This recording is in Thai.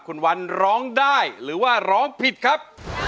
คุณวันร้องได้หรือว่าร้องผิดครับ